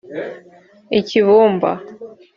I Kibumba